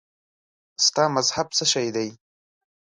ستا مذهب څه شی دی؟